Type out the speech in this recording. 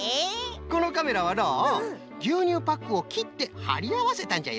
このカメラはのうぎゅうにゅうパックをきってはりあわせたんじゃよ。